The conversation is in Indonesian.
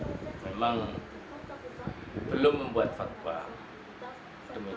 pemerintah hendaknya mengupayakan solusi terkait kematian pusat untuk mereka yang mudik di tengah pandemi covid sembilan belas